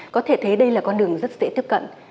có thể thấy đây là con đường rất dễ tiếp cận